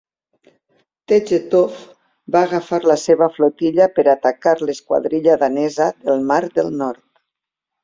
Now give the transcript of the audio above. Tegetthoff va agafar la seva flotilla per atacar l'esquadrilla danesa del mar del Nord.